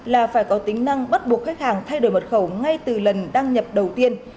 là phải có tính năng bắt buộc khách hàng thay đổi mật khẩu ngay từ lần đăng nhập đầu tiên